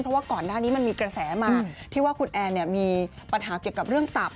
เพราะว่าก่อนหน้านี้มันมีกระแสมาที่ว่าคุณแอนมีปัญหาเกี่ยวกับเรื่องตับ